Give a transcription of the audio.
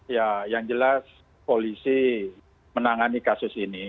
ya yang jelas polisi menangani kasus ini